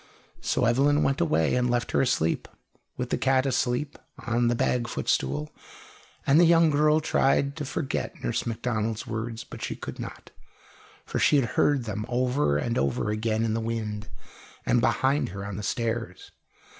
So Evelyn went away and left her asleep, with the cat asleep on the bag footstool; and the young girl tried to forget Nurse Macdonald's words, but she could not, for she heard them over and over again in the wind, and behind her on the stairs.